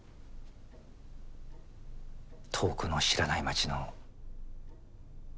遠くの知らない町の村の様子。